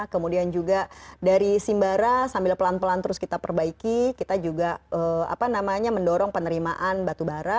kemudian juga dari simbara sambil pelan pelan terus kita perbaiki kita juga mendorong penerimaan batu bara